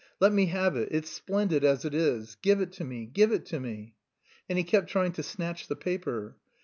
Let me have it, it's splendid as it is; give it to me, give it to me!" And he kept trying to snatch the paper.